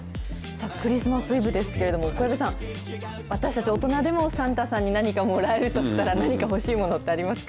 クリスマスイブですけれども、小籔さん、私たち、大人でもサンタさんに何かもらえるとしたら、何か欲しいものってありますか？